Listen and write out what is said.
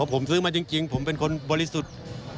ผมซื้อมาจริงผมเป็นคนบริสุทธิ์